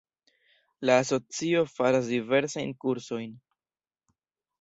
La asocio faras diversajn kursojn.